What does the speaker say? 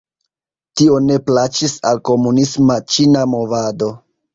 Tio ne plaĉis al komunisma ĉina movado.